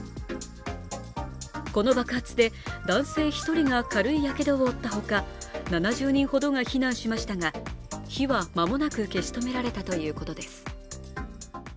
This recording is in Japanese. この爆発で男性１人が軽いやけどを負ったほか７０人ほどが避難しましたが、火は間もなく消し止められたということです。